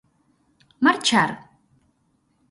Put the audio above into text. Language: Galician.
Marchar?